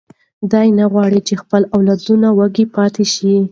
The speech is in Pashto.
دی نه غواړي چې خپل اولادونه وږي پاتې شي.